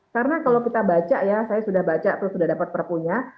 karena kalau kita baca ya saya sudah baca terus sudah dapat perpunya